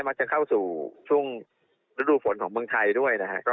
จะเข้าสู่ช่วงฤดูฝนของเมืองไทยด้วยนะฮะ